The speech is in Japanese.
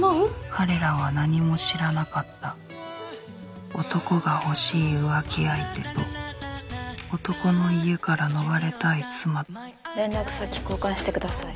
彼らは何も知らなかった男が欲しい浮気相手と男の家から逃れたい妻連絡先交換してください。